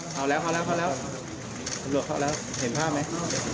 เข้าแล้วเห็นภาพไหม